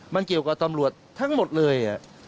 มันเกี่ยวกับตำรวจทั้งหมดเลย